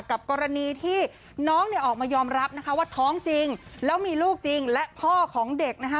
กรณีที่น้องเนี่ยออกมายอมรับนะคะว่าท้องจริงแล้วมีลูกจริงและพ่อของเด็กนะคะ